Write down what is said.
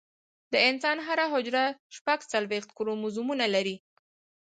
د انسان هره حجره شپږ څلوېښت کروموزومونه لري